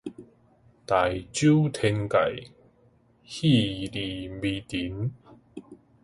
大周天界，細入微塵